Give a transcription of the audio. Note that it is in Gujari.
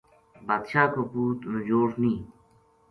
بادشاہ کو پوت نجوڑو نیہہ